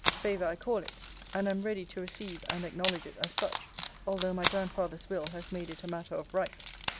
Favour I call it, and am ready to receive and acknowledge it as such, although my grandfather's will has made it a matter of right.